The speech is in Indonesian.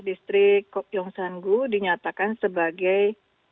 distrik yongsan gu dinyatakan sebagai